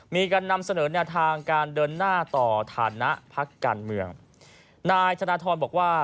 มีการนำเสนอแนวทางการเดินหน้าต่อฐานะพักการเมืองนายธนทรบอกว่า